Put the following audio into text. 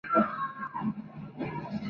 Lendl alcanzó notoriedad a temprana edad.